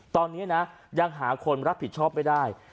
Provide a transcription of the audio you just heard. ตอนนี้นะยังหาคนรับผิดชอบไม่ได้